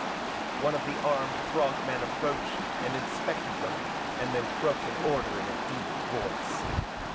One of the armed frog men approached and inspected them, and then croaked an order in a deep voice.